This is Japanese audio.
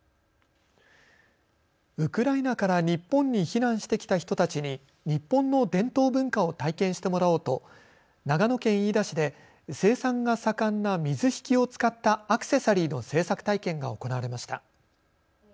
ウクライナから日本に避難してきた人たちに日本の伝統文化を体験してもらおうと長野県飯田市で生産が盛んな水引を使ったアクセサリーの制作体験が行われました。